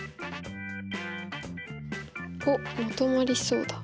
おっ求まりそうだ。